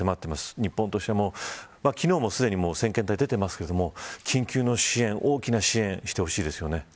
日本としても、昨日もすでに先遣隊が出ていますが緊急の支援、大きな支援をそうですね。